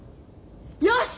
よし！